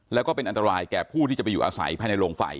แล้วก็เป็นอันตรายแก่ผู้ที่จะไปอยู่อาศัยภายในโรงไฟ